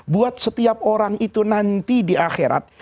buat setiap orang itu nanti di akhirat